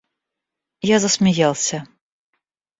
Я засмеялся.